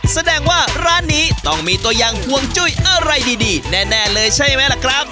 แสดงว่าร้านนี้ต้องมีตัวอย่างห่วงจุ้ยอะไรดีแน่เลยใช่ไหมล่ะครับ